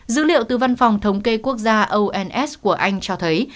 dữ liệu từ văn phòng thống kê quốc gia ons của anh cho thấy